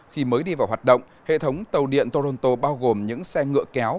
khi mới đi vào hoạt động hệ thống tàu điện toronto bao gồm những xe ngựa kéo